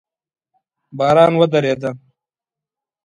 باران ودرېده